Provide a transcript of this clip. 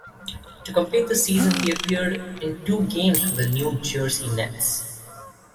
To complete the season he appeared in two games with the New Jersey Nets.